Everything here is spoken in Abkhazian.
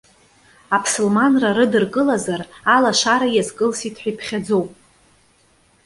Аԥсылманра рыдыркылазар, алашара иазкылсит ҳәа иԥхьаӡоуп.